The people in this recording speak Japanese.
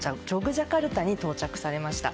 ジャカルタに到着されました。